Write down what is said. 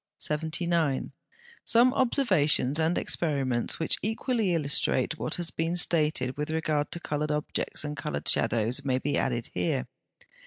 79. Some observations and experiments which equally illustrate what has been stated with regard to coloured objects and coloured shadows may be here added.